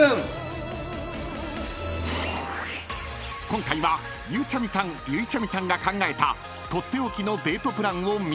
［今回はゆうちゃみさんゆいちゃみさんが考えた取って置きのデートプランを３つ楽しみます］